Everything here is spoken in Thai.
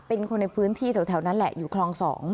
เป็นคนในพื้นที่แถวนั้นแหละอยู่คลอง๒